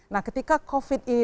nah ketika covid ini